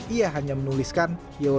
ia hanya menuliskan